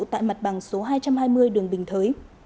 tại mặt bằng số hai trăm hai mươi đường bình thới